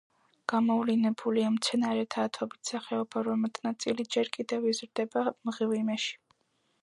გამოვლინებულია მცენარეთა ათობით სახეობა, რომელთა ნაწილი ჯერ კიდევ იზრდება მღვიმეში.